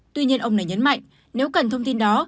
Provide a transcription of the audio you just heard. tuy nhiên ông này nhấn mạnh nếu cần thông tin đó